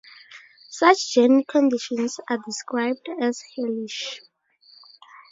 Such journey conditions are described as "hellish".